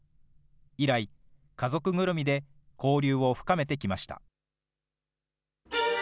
以来、家族ぐるみで交流を深めてきました。